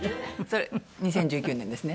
２０１９年ですね。